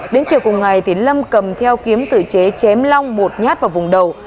đến chiều cùng ngày thì lâm cầm theo kiếm tử chế chém long một nhát vào vùng đầu